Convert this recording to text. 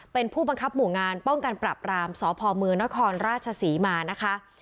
เป็นผู้บังคับหมู่งานป้องกันปรับรามสพมนครราชศรีมานะคะ